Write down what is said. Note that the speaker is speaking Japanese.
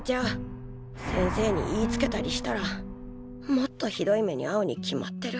先生に言いつけたりしたらもっとひどい目にあうに決まってる。